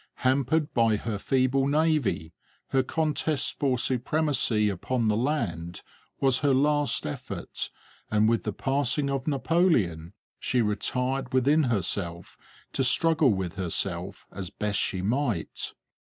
Hampered by her feeble navy, her contest for supremacy upon the land was her last effort and with the passing of Napoleon she retired within herself to struggle with herself as best she might.